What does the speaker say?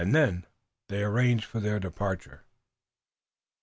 Then they arranged for their departure.